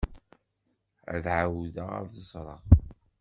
Ad ɛawdeɣ ad t-ẓreɣ.